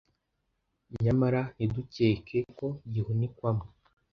nyamara ntidukeke ko gihunikwamo